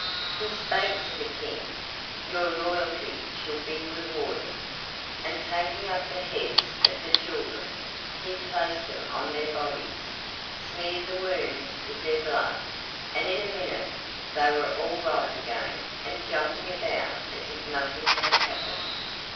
He spake to the King: "Your loyalty shall be rewarded," and taking up the heads of the children, he placed them on their bodies, smeared the wounds with their blood, and in a minute they were all right again and jumping about as if nothing had happened.